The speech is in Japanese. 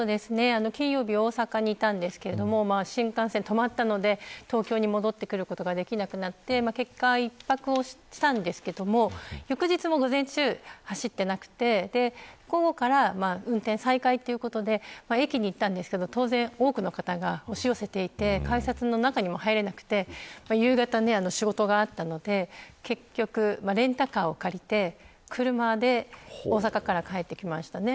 金曜日に大阪にいたんですけど新幹線止まったので東京に戻ってくることができなくなって結果、１泊をしたんですけど翌日も午前中、走っていなくて午後から運転再開ということで駅に行ったんですけど、当然多くの方が押し寄せていて改札の中にも入れなくて夕方に仕事があったので結局レンタカーを借りて車で大阪から帰ってきました。